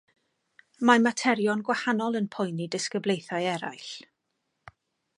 Mae materion gwahanol yn poeni disgyblaethau eraill.